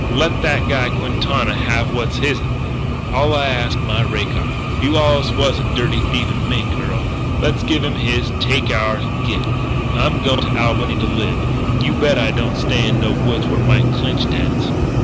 Let that guy, Quintana, have what's his'n. All I ask is my rake off. You allus was a dirty, thieving mink, Earl. Let's give him his and take ours and git. I'm going to Albany to live. You bet I don't stay in no woods where Mike Clinch dens."